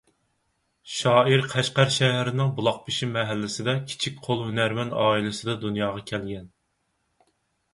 شائىر قەشقەر شەھىرىنىڭ بۇلاقبېشى مەھەللىسىدە كىچىك قول ھۈنەرۋەن ئائىلىسىدە دۇنياغا كەلگەن.